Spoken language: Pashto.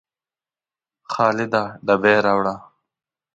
خالده ډبې راوړه